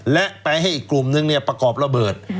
และไปให้อีกกลุ่มนึงประกอบระเบิด